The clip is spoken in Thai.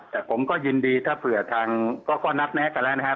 แต่ผมก็ยินดีถ้าเผื่อทางก็นัดแนะกันแล้วนะครับ